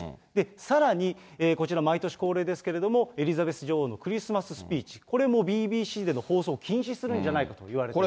さらに、こちら毎年恒例ですけれども、エリザベス女王のクリスマススピーチ、これもＢＢＣでの放送を禁止するんじゃないかと言われています。